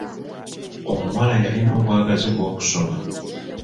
Omuwala yalina obwagazi bw'okusoma.